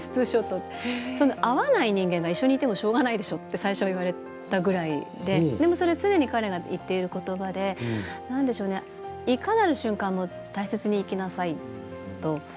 合わない人間が一緒にいてもしょうがないでしょって言われたことばでそれは常に彼が言っていることばでいかなる瞬間も大切に生きなさいと。